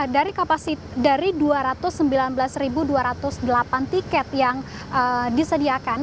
dari dua ratus sembilan belas dua ratus delapan tiket yang disediakan